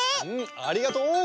ありがとう！